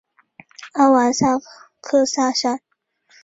阿瓦萨克萨山。